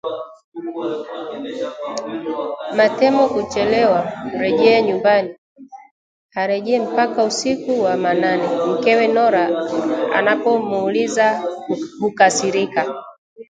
Matemo huchelewa kurejea nyumbani, harejei mpaka usiku wa manane, mkewe Nora anapomuuliza hukasirika